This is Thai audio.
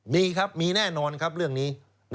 มีครับมีแน่นอนครับเรื่องนี้